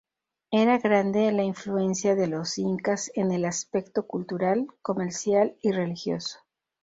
Era grande la influencia de los Incas en el aspecto cultural, comercial y religioso.